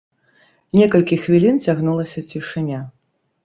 Некалькі хвілін цягнулася цішыня.